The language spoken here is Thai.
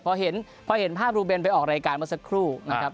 เพราะเห็นภาพรูเบนไปออกรายการมาสักครู่นะครับ